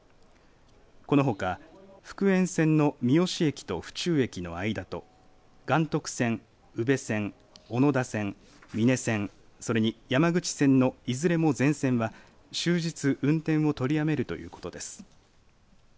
このほか福塩線の三次駅と府中駅の間と岩徳線、宇部線小野田線、美祢線それに山口線のいずれも全線は終日、運転を取りやめるということです。